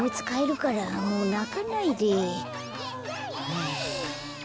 はあ。